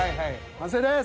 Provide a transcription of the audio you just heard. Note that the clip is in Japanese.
完成です。